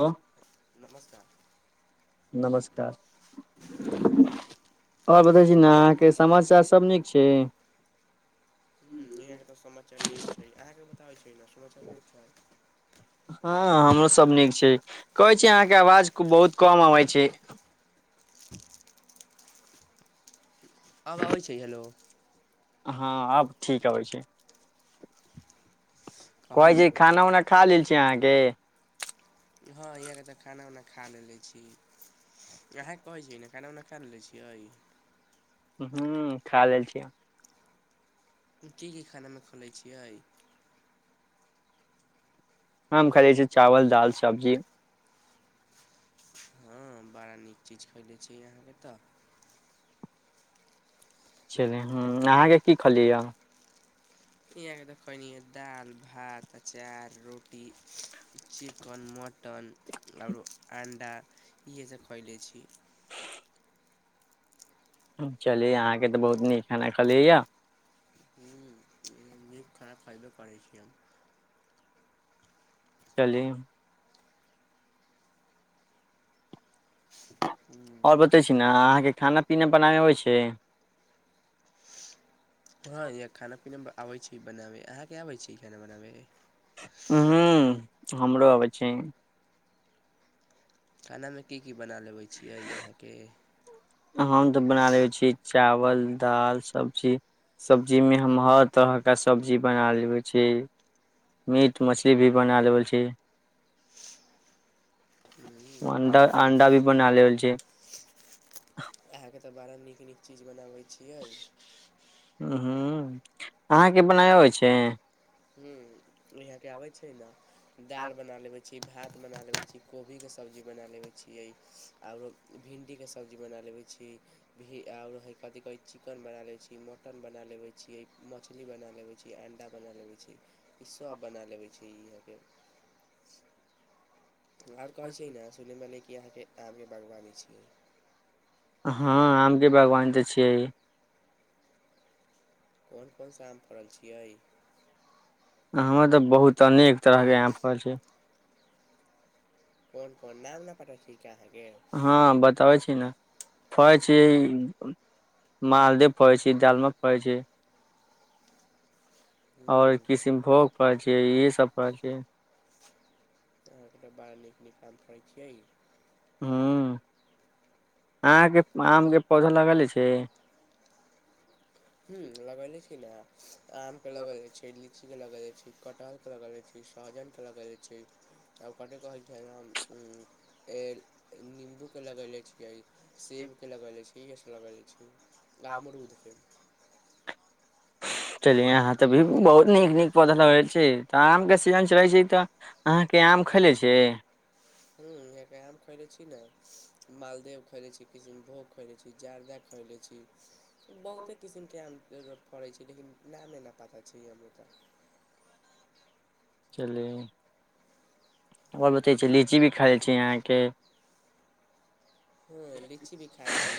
Hello नमस्कार नमस्कार आओर बतै छी ने तऽ अहाँके समाचार सब नीक छै हूं ईहाॅं के त समाचार नीक छै, अहाँके त छै ने समाचार नी‌क छै हँ हमूं सब नीक छै कहै छी अहाँके आवाज बहुत कम अबै छै? [inaudible] आब आबै छै हेलो। हँ आब ठीक अबै छै। कहै कहाई छै छि खाना उना खा लेने लेल छी छि आहान अहाँके के हान ईहाई लेल तक खाना उना खा खा लेले छी अहाँके कहै छीिय ने खाना उना खा ले छियै। ंहू खा लेल छियै की की खानामे खोलै छियै हम खालइ छीै चावल, दाल, सब्जी हँ बड़ा नीक चीज खयले छी अहाँके तऽ। चल ह अहाँके की खलियए। इहाँके देखनि दाल भात अचार रोटी चिकन मटन न आर आन टा इएहे सब कैले छी। चलिय अहाँके त बहुत नीक खाना खलियैए। ह्म नीक खाना खयबे करै छी हम। कली [inaudible] आओर बतै छी ने अहाँके खाना पीना बनाबै अबै छै। हँ य खाना पीना आबै छी बनाबै अहाँके आबै छी खाना बनाबै। हू हमरो अबै छै। खानामे की की बना लेबै छियै अहाँके हम तऽ बना ले छी चावल दालि सब्जी सब्जीमे हम हर तरहके सब्जी बना लेबै छी मीट मछली भी बना लेबै छी। अं्डा बड़ा नीक अं्डा नीक भी बना लेल छै। त बड़ा नीक नीक चीज बनाबैत छीऐ। हूँ अहाँके बनाय होइ छै। हू इहाँके आबै छै ने। दाल बना लेबै छी भात बना लेबै छी कोबीके सब्जी बना लेबै छियै आओरो भिण्डीके सब्जी बना लेबै छी भी आओर हइ कथी कहै चिकन बना लेबै छी मटन बना लेबै छियै मछली बना लेबै छी अणडा बना लेबै छी ईस बना लेबै छीहाँके। ओ कहै छैी ने सुलम भेला क अहाँके आमके बागवानी छीियै। हँ आम के बागवानी तऽ छियै कोन कोनसँ आम फड़ल छियै। हमर तऽ बहुत अनेक तरहके यहाँ फल छै। कोन कोन नाम न पठा छी। हँ बताबै छी ने फड़ै छी मालदह फड़ै छी दालमे फड़ै छी। हूँ ओर किसनभोग पड़ छै यह सब पड़ छै। न काम करै छियै। हँ। अहाँके आमके पौधा लगले छै। हू लगइले छी न अहां। आम प ल ब छै छी लस्सीके लगेले छी कटहरके लगेले छी सहजनके लगेले छी आब कटे कहै छै नीम्बूके लगेले छियै। सेब के लग जाे छै। ठीके छै लगऽ जाइ छी। आमरूद छै। चलियी अहाँ त भी बहुत नीक नीक पौधा लगै छै तऽ आमके सीजन चलै छै तऽ अहाँके आम खलै छै। ह हहाँके आम खैले छी ने मालदे खैले छी किृशनभोग खैले छी जाारदाे खैले छी। बहुते किसमके अम ज फड़ै छै लेकिन ल ल ल पता छै हम त। चलि आओर बतै छै लीची भी खाइ छी अहाँके। हँ लीची भी खाइ छी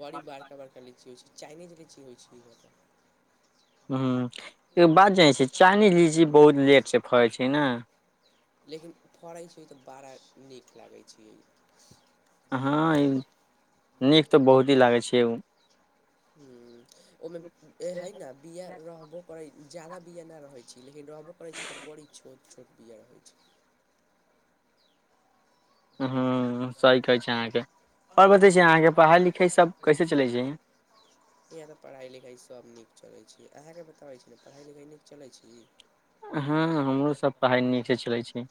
बड़ी बड़का बड़का लीची होइ छै। चाइनीजके लीची होइ छै इके। ह। एगो बात जानै छी चाइनीज लीची बहुत लेट से फड़ै छै ने लेकिन फड़ै छै ओ तऽ बारह। नीक लागै छै। हँ ई नीक त बहुत ही लागै छै ओ। ह ओहिमे है ने बिआ रहबो करै। जादा बिआ नहि रहै छी लेकिन रहबो करै छी तऽ बड़ी छोट छोट बिआ रहै छै। ह सही कहै छै अहाँके। आओर बतै छी अहाँके पढ़ाइ लिखाइ सब कैसे चलै छै इह त पढ़ाइ लिखाइ सब नीक चलै छै। अहाँके बताबै पढ़ाइ लिखाइ नीक चलै छी। हँ हमरो सभ पढ़ाइ नीकसँ चलै छै।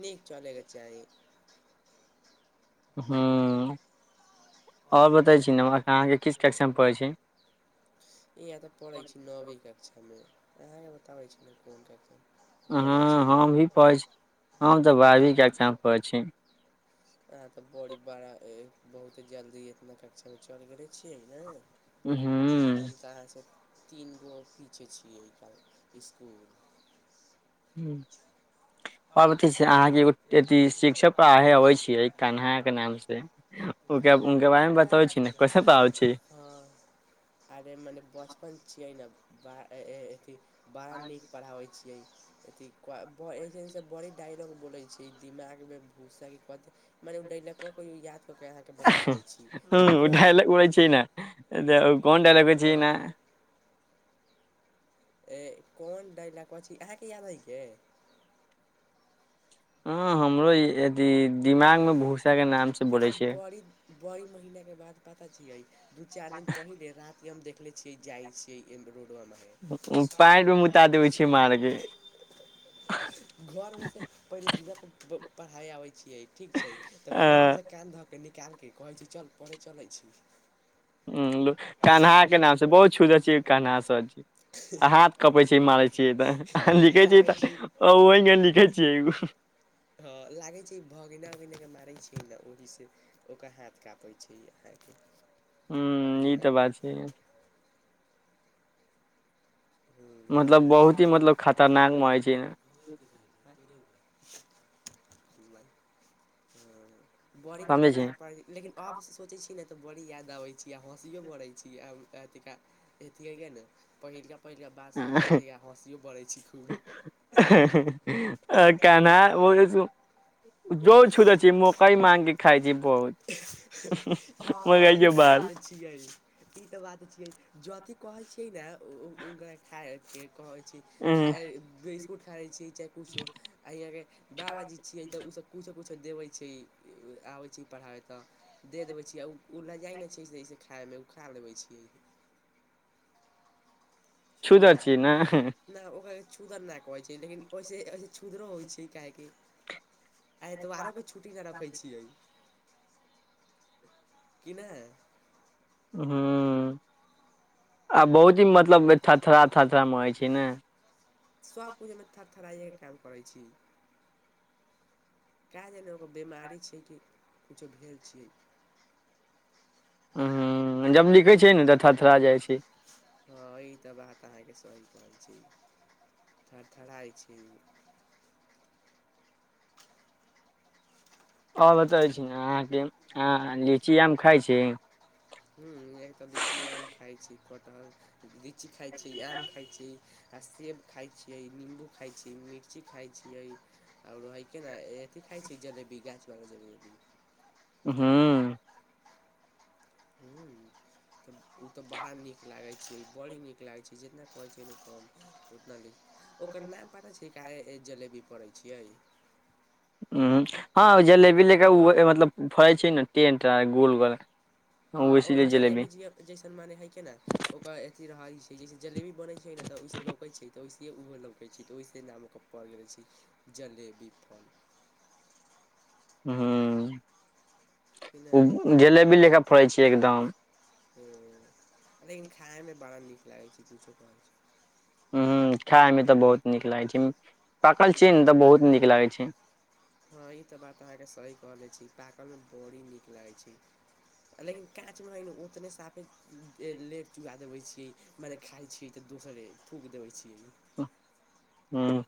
नीक चल के छैइ। ह्म आओर बतै छी ने अहाँके किस टेक्शन पड़ै छै। ई एत पढ़ै छी नबे कक्षा में। बताबै छी कोन हँ पढ़ै छी हम ई कहीं छी हम तऽ बारवी में पढ़ाई छि। अहाँ तऽ बड़ी बड़ा ए बहुते जल्दी एतना कक्षा मे चल गेले छियै नै। हूँ हम ते अहाँ से तीनगो पीछे छियै स्कूल। ह्म्म। शिक्षक पढ़ाबे अबै छियै कन्हा के नाम से ओकरा उनके बारे मे बतबै छी ने कैसे पढ़ाबै छी हँ अरे मने बचपन छियै ने। बाह अथी बड़ नीक पढ़ाबैत छी। यै की करबै। जे से बड़े डायलॉग बोलै छी दिमाग मे भूसा की कथी हमर एगो डायलॉगबा कोई याद क के अहाँ के बताबै छी, हूँ उ उही डायलॉग बोलै छै ने कोन डायलॉग होइ [unintelligible] छै हाँ। ने ए कौन डायलॉकबा छी अहाँ के याद हय कै। हाँ हमरो यदी दिमाग मे भूस अरे बड़ी, बड़ी महिना के बाद पता छिये, दू-चार दिन पहिले राति हम देख ले छी, जाय छियै एम रो पैंट मे मुता देबै छियै मार के [unintelligible] घर मे से पहिले [unintelligible] पढ़ाई आबै छिये ठीक छै तऽ घरमे अ से धऽ के निकाल के कहै छी चल पढ़े चलै छी। कान्हा के नाम से बहुत छूजल छियै कान्हा सर जी आ हाथ कपै छियै मारै छियै तऽ लिखै छियै तऽ ओहि मे लिखै छियै एगो [unintelligible] ई ल ओहि से ओकर हाथ कापै छै, अ ह्म्म ई ते बात छैया। [unintelligible] [unintelligible] मतलब बहुत ही मतलब खतरनाक मारै छै बड़ी समझै छी खतरनाक पड़ै छै, लेकिन आब से सोचै छी नै त बड़ी याद आबै छी, आ हँसियो पड़ै छी, आ अथी का हैथीये गे ना पहिला पेहला बात सोचती अ हसियो पड़े छी खूबे, कान्हा जो छूते छियै मकइ मांग के खाइ छी बहुत [unintelligible] हाँ मकइ ई के ते बाल बात छिये, ई ते बात छिये जथी कहै छी ने उ गाय खाय के। कहै छी खाय ए बेस उठाए छी। चाय पुछो आ ई अहाँ के बाबाजी छियै तऽ उ सब कुछो पुछ देबै छी, आबै छी पढ़ाए त। दे देबे छियै, उ उ लजाइ ने छै ऐसे ऐसे खाय मे। खा लेबै छी। छुधर छियै नै? छूदर नहि कहै छै लेकिन ओहिसे ओइ छुदरो होइ छै काहेकि आ एतवारोके छुट्टी न रखै छियै। की नै। हाँ। आ बहुत दिन मे मतलब थरथरा थरथरा के थथरा मारै काज करै छी छै ने। सब चीज में थरथराइये के काज करै छी खा लेलौं। बेमारी छै कि किछो भेल छी। उंम्म जब लिखै छियै ने तऽ थरथरा जाइ छी हां इ त बात अहां के सही काज करै छी, थथरथराइ छी। और बताइ छी ने अहांके अहां लीची आम खाइ छी। हुं एहि त लिची आम खाइ छी कटहल लीची खाइ छी आम खाइ छी आ सेब खाइ छियै निम्बू खाइ छियै मिर्ची खाइ छियै और होइके ने एहठिन खाइ छी जलेबी, गाछवला जलेबी। हुं हुं ओ त बड़ा नीक लागै छै बड़े नीक लागै छै, जितना कहैत छै सब उतना ओकर नाम बारे छै काहे जलेबी। करै छियै। हु हां जलेबी ले क ओकरा मतलब फड़ै छै ने टेंट आ गोल गोल। हां ओकर जलेबी जैसन माने है छै न ओकर अथि रहै छै। जैसे जलेबी बनै छै ने त ओइसे लौकै छै त वइसे ओहो लौकै छै त ओइसे नाम ओकर पड़ गेल छै जलेबी फल। हुं कि उं। नहि ओ जलेबी ले फड़ै छियै एकदम। हुं लेकिन खाय मे बड़ा नीक लागे छै किछो कह। हुं खायमे त बहुत नीक लागै छै, पाकल छै ने त बहुत नीक लागै छै। पा बड़ी नीक लागै छै, लेकिन काचमे हइ ने ओतने साफे लेप चुगा देबै छियै मने खाइ छियै तऽ दोसरे थूकि देबै छियै हुं।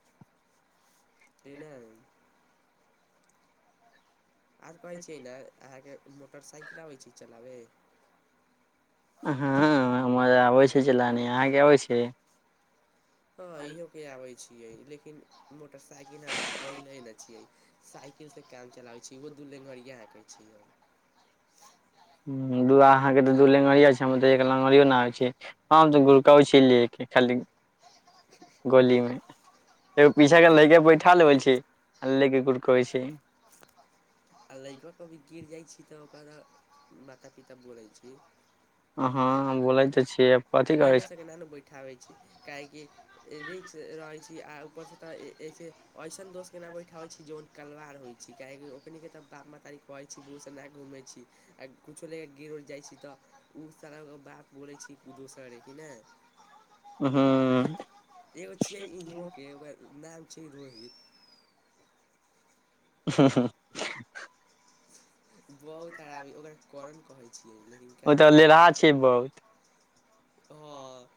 एना आर कहै छियै ने अहाँके मोटरसाइकिल आबै छै चलाबे? हाँ हमरा के आबै छै चिलानी अहाँके अबै छै हँ इहो के आबै छै छियै लेकिन मोटरसाइकिल हमरा पहिले नहि छियै साइकिलसँ काम चलाबै छियै ओहो दू लंघरिया हांकै छियै हां अहांके त दू लेंगरिया छै हमर त एक लगरिओ नहि [unintelligible] आबइ गोली मे एगो पीछा के लैके बैठा लेबे छी आ लेके गुड़कबै छी आ लैका सब भी गिर जाइ छी तऽ ओकर मात पिता बोलै छी अं-ह-हम बोलै तऽ छियै कथी करै लड़िका छी सबके ना ने बैठाबै छी काहेकि रिक्स रहै छै आ उपरसँ तऽ ए-ऐसे ऐसन दोस्तके ना बैठाबै छी जोन कलवार होइ छी काहेकि ओखनीके तऽ बाप महतारी कहै छी बूस ना घूमै छी आ कुछो ले कऽ गिर उर जाइ छी तऽ ओ सारा बात बोलै छी दोस करै की ने हाँ एगो छियै इमरोके [unintelligible] छी रोहित हाँ -ह बहुत शरबी ओकर कारण लेकिन क्या ओ तऽ करु लेरहा छै बहुत हाँ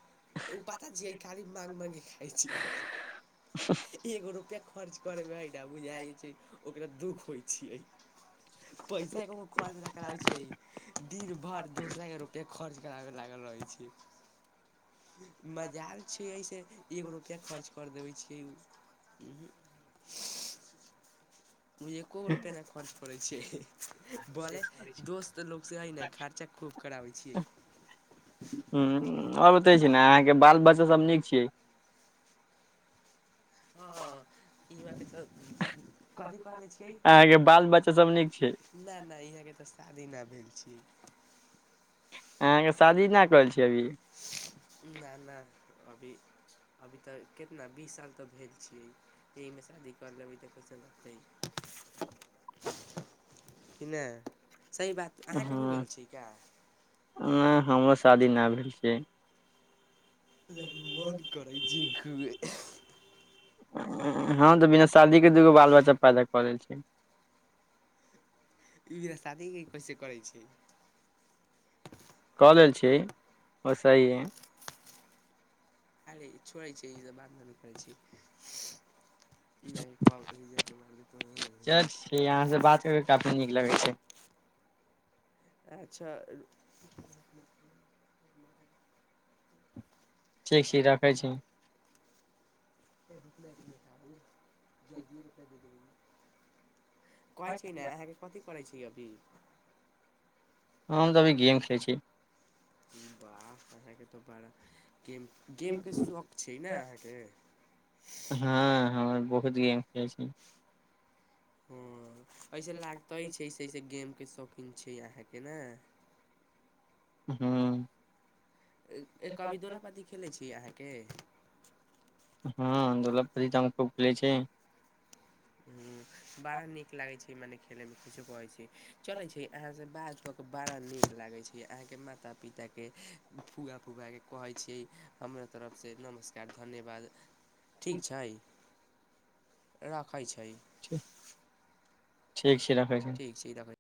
ओ पता छियै खाली मांग मांग के खाइ छी एगो रुपया खर्च कर बैय तऽ बुझाइ छै ओकरा दुःख होइ छियै पैसा को खर्च कराबै छियै दिन भरि दोसराके रुपआ खर्च कराबै लागल रहै छियै मजाल छियै से एगो रुपआ खर्च कर देबै छी की उँ हूँ उ एको रुपैया न खर्च करै छियै-हह हइ ने खर्चा खूब कराबै छियै हूँ आओर बतैय छी ने अहाँके बाल बच्चा सब नीक छियै हाँ ई बात कहु कथि कहले छियै अहाँके बाल बच्चा सब नीक छै नहि नहि इएह के तऽ शादी ना भेल छी [inaudible] शादी नहि करल छी अभी ना ना अभी अभी तऽ कितना बीस साल तऽ भेल छियै एहिमे शादी कर लेबै तऽ कैसन हतै की नहि सही बात अहाँके हो गेल हँ छै का हमरो शादी ना भेल छै बढ़ करै छी खूबे हँ-हँ-हम तऽ बिना शादीके दूगो बाल बच्चा पैदा कऽ लै छियै ई बिना शादीके कैसे करै छै [unintelligible] कऽ लेल छियै ओ सही हइ अरे छोड़ै छियै ई सब बात कथि लै करै छियै नै कॉल करीह चल छी अहाँ से बात कर के काफी नीक लगै छै [unintelligible] अच्छा ठीक छी राखै छी [unintelligible] जल्दी रुपया दे देबैय कहै छी नै अहाँके कथि करै छी अभी हम तऽ अभी गेम खेलै छी वाह अहाँके तऽ बड़ा गेम गेम के शौख छै ने अहाँके हाँ हमरा बहुत गेम खेलै छी हूँ ऐसे लागतै छै ऐसे ऐसे गेम के शौकिन छीयै अहाँके न हूँ ए-ए कभी दोला पाती खेलै छी अहाँ के हाँ दौला पांति तऽ हम खूब खेलै छी हूँ बड़ा नीक लागै छै मने खेलै मे की सब कहै छी जानै छी अहाँ से बात लोक के बड़ा नीक लागै छीयै अहाँके माता पिताके फुआ फुफा के कहै छियै हमर तरफ से नमस्कार धन्यवाद ठीक छै रा- खाइ छै ठीक ठीक छै राखै छी ठीक छै रखै